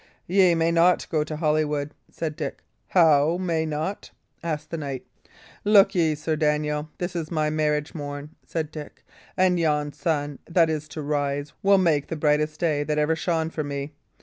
"Ye may not go to Holywood," said Dick. "How! May not?" asked the knight. "Look ye, Sir Daniel, this is my marriage morn," said Dick; "and yon sun that is to rise will make the brightest day that ever shone for me.